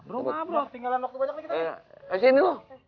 tinggalan waktu banyak nih kita